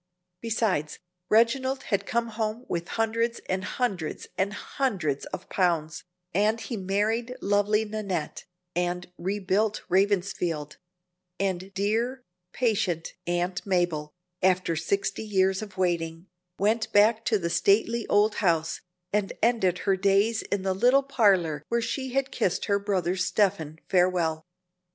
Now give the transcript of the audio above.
Besides, Reginald had come home with hundreds and hundreds and hundreds of pounds; and he married lovely Nannette, and rebuilt Ravensfield; and dear, patient Aunt Mabel, after sixty years of waiting, went back to the stately old house, and ended her days in the little parlor where she had kissed her brother Stephen farewell.